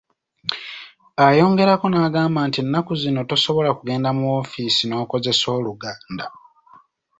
Ayongerako n'agamba nti ennaku zino tosobola kugenda mu wofiisi n'okozesa Oluganda.